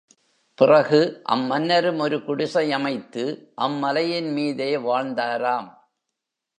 பிறகு அம் மன்னரும் ஒரு குடிசை அமைத்து அம் மலையின்மீதே வாழ்ந்தாராம்.